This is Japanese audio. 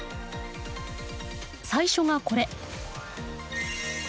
最初がこれ。